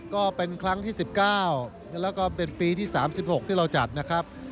ก็เป็นครั้งที่๑๙แล้วก็เป็นปีที่๓๖ที่เราจัดนะครับ